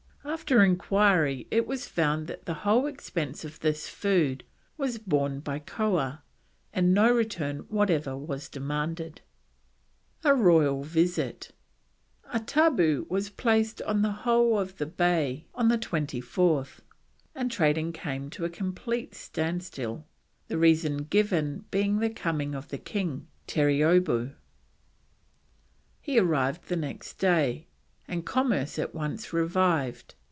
After enquiry it was found that the whole expense of this food was borne by Koah, and no return whatever was demanded. A ROYAL VISIT. A tabu was placed on the whole of the bay on the 24th, and trading came to a complete standstill, the reason given being the coming of the king, Terreeoboo. He arrived the next day, and commerce at once revived.